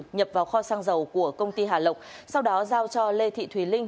nhập vào kho xăng dầu của công ty hà lộc sau đó giao cho lê thị thùy linh